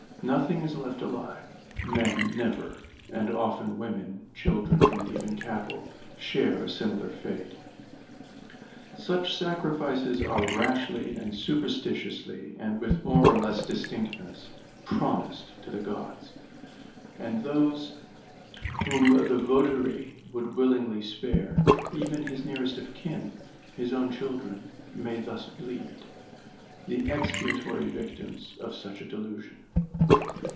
Nothing is left alive ; men never: and often women, children, and even cattle, share a similar fate. Such sacrifices are rashly and supersti tiously and with more or less distinctness promised to the gods ; and those whom the votary would willingly spare, even his nearest of kin, his own children, may thus bleed, the expiatory victims of such a delusion.